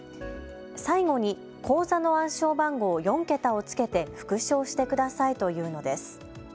最後に口座の暗証番号４桁をつけて復唱してくださいと言うのです。